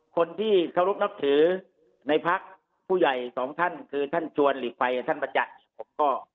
คนที่เคารพนับถือในพักผู้ใหญ่สองท่านคือท่านชวนหลีกภัยกับท่านประจักษ์ผมก็